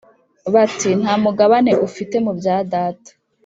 bati Nta mugabane ufite mu bya data.